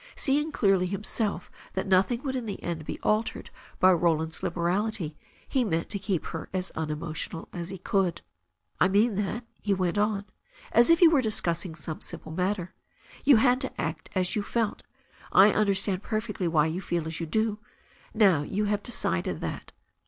Seeing clearly himseff that nothing would in the end be altered by Roland's liberality, he meant to keep her as unemotional as he could. "I mean that," he went on, as if they were discussing some simple matter. "You had to act as you felt. I under stand perfectly why you feel as you do. Now you have decided that.